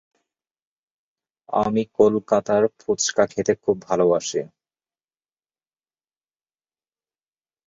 আমি কলকাতার ফুচকা খেতে খুব ভালোবাসি।